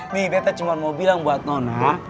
nih beta cuma mau bilang buat nona